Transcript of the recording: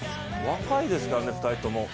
若いですからね、２人とも。